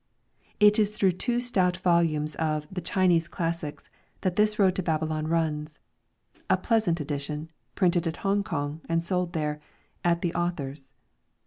It is through two stout volumes of ' The Chinese Classics ' that this road to Babylon runs ; a pleasant edition, printed at Hong Kong, and sold there ' At the Author''s.''